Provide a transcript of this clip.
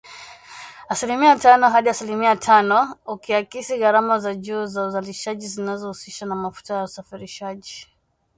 Asilimia tano hadi asilimia tano, ukiakisi gharama za juu za uzalishaji zinazohusishwa na mafuta na usafirishaji.